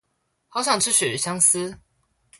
好想吃鱈魚香絲